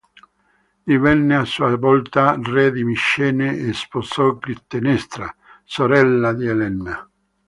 Divenne a sua volta re di Micene e sposò Clitennestra, sorella di Elena.